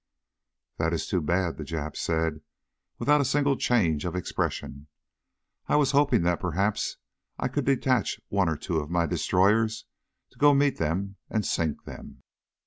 "That is too bad," the Jap said without a single change of expression. "I was hoping that perhaps I could detach one or two of my destroyers to go meet them and sink them."